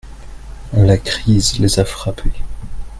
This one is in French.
La crise les a frappé.